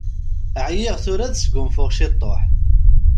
Ɛyiɣ, tura ad sgunfuɣ ctuḥ.